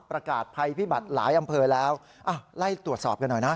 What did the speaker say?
ประกาศภัยพิบัติหลายอำเภอแล้วไล่ตรวจสอบกันหน่อยนะ